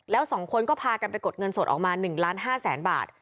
แล้ว๒คนก็พากันไปกดเงินสดออกมา๑ล้าน๕แสนบาท